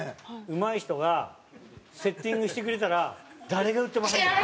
うまい人がセッティングしてくれたら誰が打っても入るから。